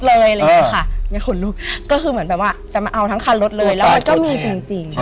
เลยเลยค่ะก็คือเหมือนแบบว่าจะมาเอาทั้งคันรถเลยแล้วมันก็มีจริงจริง